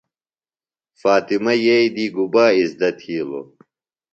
فاطمہ یئییۡ دی گُبا اِزدہ تِھیلوۡ؟